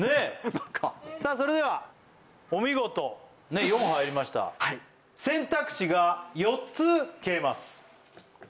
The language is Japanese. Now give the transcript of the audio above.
何かさあそれではお見事４入りました選択肢が４つ消えます